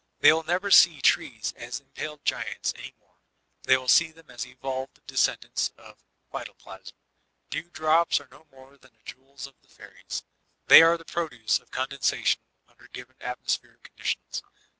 They will never see trees as impaled giants any more ; they will see them as evolved descendants of phytoplasm. Dewdrops are no more the jewels of the fairies ; they are the produce of condensation under given atmospheric conditions.